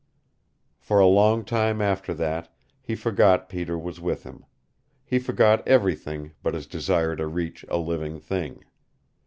For a long time after that he forgot Peter was with him. He forgot everything but his desire to reach a living thing.